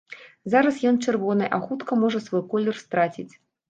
Зараз ён чырвоны, а хутка можа свой колер страціць.